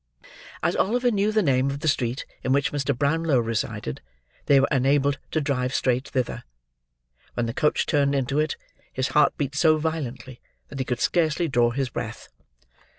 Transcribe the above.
As Oliver knew the name of the street in which Mr. Brownlow resided, they were enabled to drive straight thither. When the coach turned into it, his heart beat so violently, that he could scarcely draw his breath.